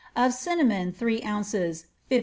of cinnamon, three ounces, lid.